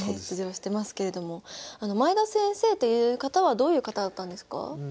出場してますけれども前田先生という方はどういう方だったんですか？